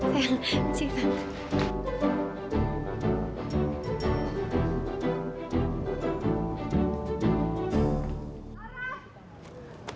sayang permisi tante